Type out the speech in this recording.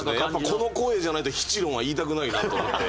この声じゃないと「ヒチロン」は言いたくないなと思って。